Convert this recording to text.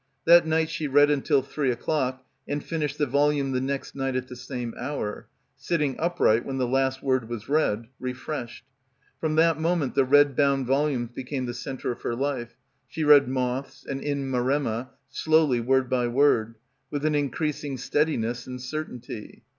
That night she read until three o'clock and finished the volume the next night at the same hour, sit ting upright when the last word was read, re freshed. From that moment the red bound volumes became the centre of her life. She read "Moths" and "In Maremma" slowly word by word, with an increasing steadiness and certainty.